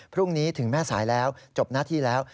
พรุ่งนี้ถึงแม่สายแล้วจบหน้าที่แล้ว